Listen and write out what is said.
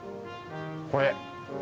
これ。